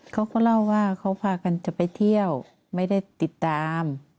เขาก็เล่าว่าเขาพากันจะไปเที่ยวไม่ได้ติดตาม